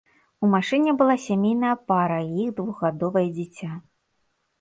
У машыне была сямейная пара і іх двухгадовае дзіця.